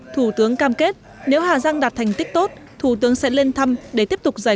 thủ tướng cam kết nếu hà giang đạt thành tích tốt thủ tướng sẽ lên thăm để tiếp tục giải